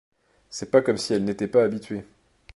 C’est pas comme si elle n’était pas habituée.